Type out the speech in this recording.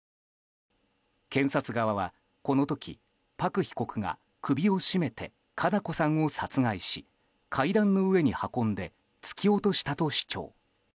検察側は、この時パク被告が首を絞めて佳菜子さんを殺害し階段の上に運んで突き落としたと主張。